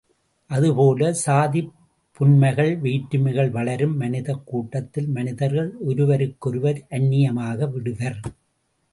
அதுபோலச் சாதிப்புன்மைகள், வேற்றுமைகள் வளரும் மனிதக் கூட்டத்தில் மனிதர்கள் ஒருவருக்கொருவர் அன்னியமாகி விடுவர்.